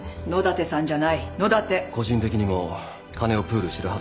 個人的にも金をプールしてるはずです。